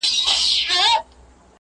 o د مېړه سيالي کوه، د بخته ئې مه کوه.